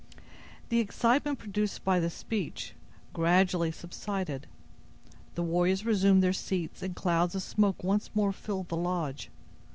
The excitement produced by the speech gradually subsided. The warriors resumed their seats and clouds of smoke once more filled the lodge.